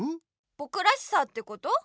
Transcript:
ぼくらしさってこと？